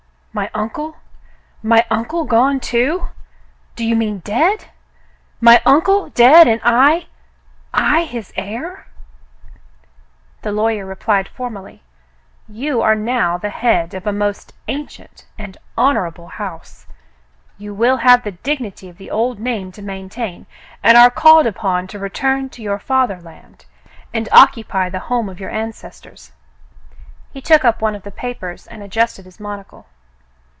My uncle .'^ My uncle gone, too.f* Do you mean dead .? My uncle dead, and I — I his heir .?" The lawyer replied formally, "You are now the head of a most ancient and honorable house. You will have the dignity of the old name to maintain, and are called upon to return to your fatherland and occupy the 220 The Mountain Girl home of your ancestors." He took up one of the papers and adjusted his monocle.